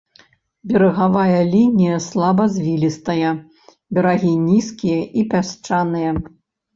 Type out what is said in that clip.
Берагавая лінія слабазвілістая, берагі нізкія і пясчаныя.